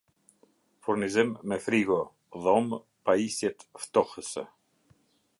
Furnizim me frigo dhomë Pajisjet ftohëse